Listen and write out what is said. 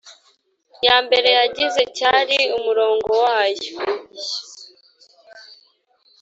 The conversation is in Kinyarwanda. Ya mbere yagize cyari umurongo wayo